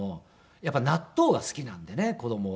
やっぱり納豆が好きなんでね子供は。